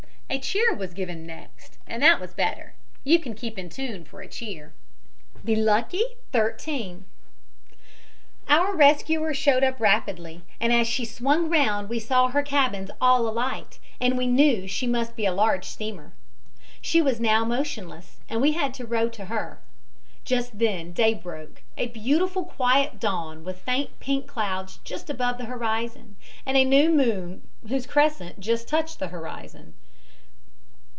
A cheer was given next, and that was better you can keep in tune for a cheer. THE "LUCKY THIRTEEN" "Our rescuer showed up rapidly, and as she swung round we saw her cabins all alight, and knew she must be a large steamer. She was now motionless and we had to row to her. Just then day broke, a beautiful quiet dawn with faint pink clouds just above the horizon, and a new moon whose crescent just touched the horizon.